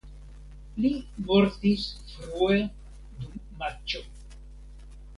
Li mortis frue dum matĉo.